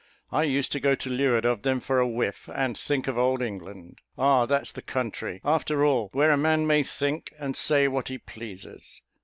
I used to go to leeward of them for a whiff, and think of old England! Ah, that's the country, after all, where a man may think and say what he pleases!